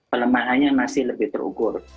pelemahannya masih lebih terukur